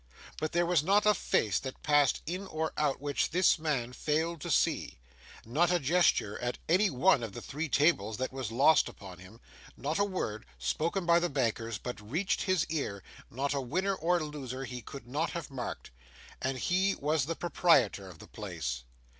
But there was not a face that passed in or out, which this man failed to see; not a gesture at any one of the three tables that was lost upon him; not a word, spoken by the bankers, but reached his ear; not a winner or loser he could not have marked. And he was the proprietor of the place.